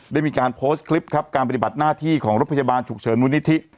ได้มีการโพสต์คลิปครับการปฏิบัติหน้าที่ของรถพยาบาลฉุกเฉินมูลนิธิ